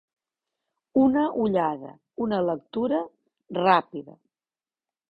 Una ullada, una lectura, ràpida.